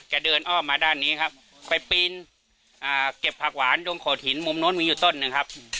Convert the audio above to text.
เดินอ้อมมาด้านนี้ครับไปปีนเก็บผักหวานตรงโขดหินมุมโน้นมีอยู่ต้นหนึ่งครับ